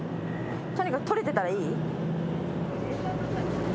とにかく撮れてたらいい？